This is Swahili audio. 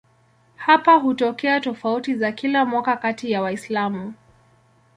Hapa hutokea tofauti za kila mwaka kati ya Waislamu.